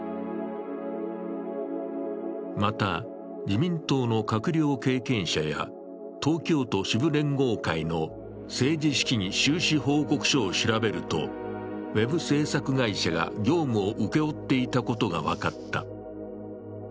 また、自民党の閣僚経験者や東京都支部連合会の政治資金収支報告書を調べるとウェブ制作会社が業務を請け負っていたことが分かった。